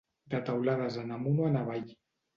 De teulades en amunt o en avall.